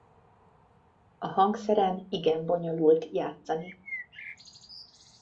A hangszeren igen bonyolult játszani.